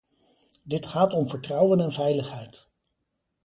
Dit gaat om vertrouwen en veiligheid.